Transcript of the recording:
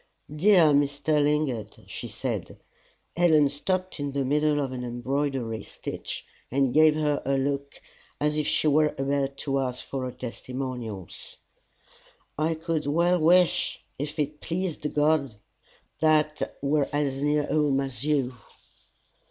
"Dear Mr. Lingard," she said, Helen stopped in the middle of an embroidery stitch, and gave her a look as if she were about to ask for her testimonials "I could well wish, if it pleased God, that I were as near home as you."